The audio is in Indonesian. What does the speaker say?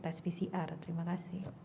tes pcr terima kasih